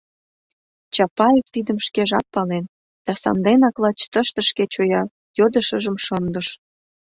Чапаев тидым шкежат пален да санденак лач тыште шке чоя йодышыжым шындыш.